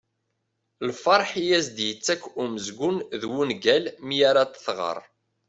Lferḥ i as-d-yettak umezgun d wungal mi ara t-tɣer.